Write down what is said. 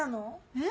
えっ？